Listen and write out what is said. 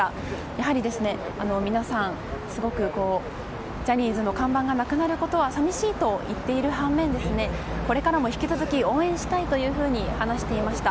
やはり、皆さんすごくジャニーズの看板がなくなることはさみしいと言っている反面これからも引き続き応援したいというふうに話していました。